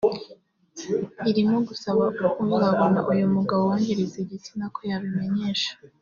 irimo gusaba uza kubona uyu mugabo wangiritse igitsina ko yayimenyesha